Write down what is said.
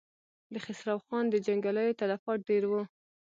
د خسرو خان د جنګياليو تلفات ډېر و.